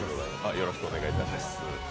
よろしくお願いします。